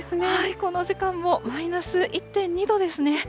この時間もマイナス１．２度ですね。